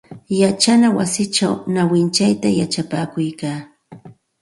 Yachana wasichaw nawintsayta yachapakuykaa.